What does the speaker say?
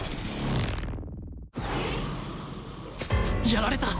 やられた！